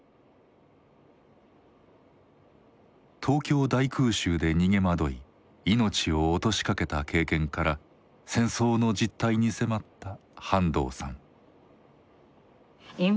東京大空襲で逃げ惑い命を落としかけた経験から戦争の実態に迫った半藤さん。